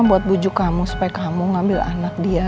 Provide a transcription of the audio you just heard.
buat bujuk kamu supaya kamu ngambil anak dia